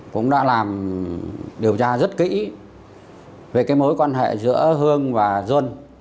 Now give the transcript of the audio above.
cũng đã làm điều tra rất kỹ về mối quan hệ giữa hương và duân